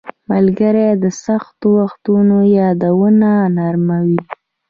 • ملګري د سختو وختونو یادونه نرموي.